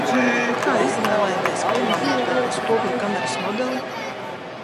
Kā izvēlēties piemērotāko spoguļkameras modeli?